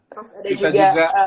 terus ada juga